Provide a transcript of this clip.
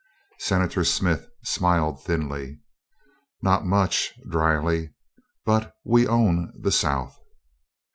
Senator Smith smiled thinly. "Not much," drily; "but we own the South."